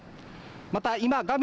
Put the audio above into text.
また今画面